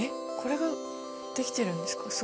これができてるんですか？